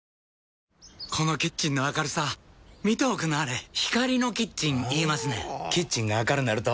このキッチンの明るさ見ておくんなはれ光のキッチン言いますねんほぉキッチンが明るなると・・・